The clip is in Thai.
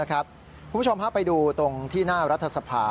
คุณผู้ชมพาไปดูตรงที่หน้ารัฐสภา